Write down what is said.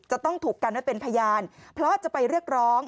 จะต้องถูกกันไว้เป็นพยานเพราะจะไปเรียกร้อง